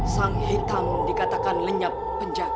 sang hitam dikatakan lenyap penjaga